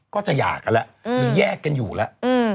ก็จะหย่ากันแล้วหรือแยกกันอยู่แล้ว